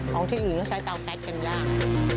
ของที่อื่นก็ใช้เตาแก๊สกันย่าง